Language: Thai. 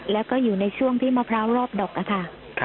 แล้วก็อยู่ในช่วงที่มะพร้าวรอบดอกอะค่ะ